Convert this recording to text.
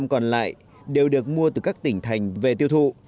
năm mươi còn lại đều được mua từ các tỉnh thành về tiêu thụ